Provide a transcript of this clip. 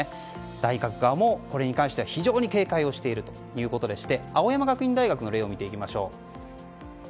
大学側もこれに関しては非常に警戒しているということでして青山学院大学の例を見てみましょう。